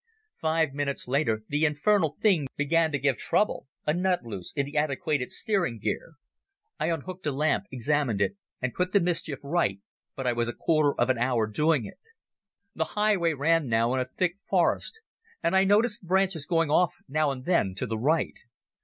Five minutes later the infernal thing began to give trouble—a nut loose in the antiquated steering gear. I unhooked a lamp, examined it, and put the mischief right, but I was a quarter of an hour doing it. The highway ran now in a thick forest and I noticed branches going off now and then to the right.